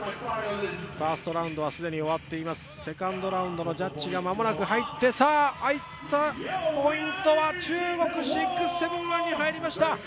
ファーストラウンドは既に終わっています、セカンドラウンドのジャッジが間もなく入って、さあ、ポイントは中国・６７１に入りました。